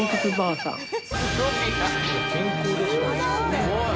すごいな。